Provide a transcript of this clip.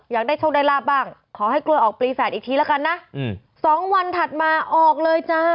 อยากได้โชคได้ลาบบ้างขอให้กล้วยออกปลีแฝดอีกทีแล้วกันนะสองวันถัดมาออกเลยจ้า